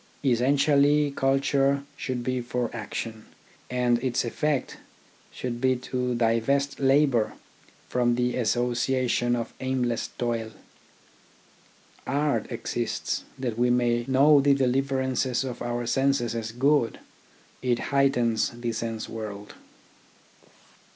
Essentially culture should be for action, and its effect should be to divest labour from the associations of aimless toil. Art exists that we may know the deliver ances of our senses as good. It heightens the sense world.